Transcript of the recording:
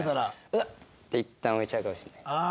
うわっ！っていったん置いちゃうかもしれない。